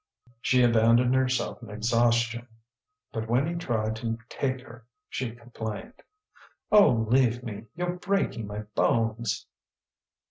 She abandoned herself in exhaustion. But when he tried to take her she complained. "Oh, leave me! you're breaking my bones."